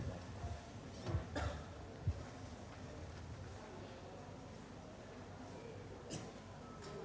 semoga harus jatuh badu